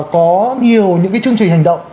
có nhiều những cái chương trình hành động